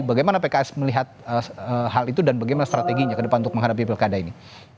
bagaimana pks melihat hal itu dan bagaimana strateginya ke depan untuk menghadapi pilkada ini